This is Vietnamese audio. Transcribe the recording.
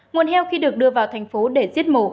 nguồn heo khi được đưa vào thành phố để giết mổ